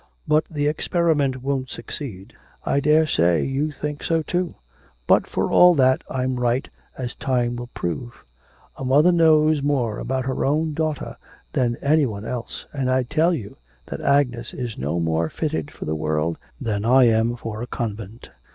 But the experiment won't succeed. I daresay you think so too. But for all that I'm right, as time will prove. A mother knows more about her own daughter than any one else, and I tell you that Agnes is no more fitted for the world than I am for a convent.